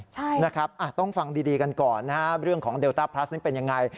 ใช่ต้องฟังดีกันก่อนเรื่องของเดลต้าพลัสเป็นอย่างไร